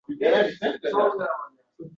Buvim hayron bo‘lib, buni endi ko‘ryapman, dedi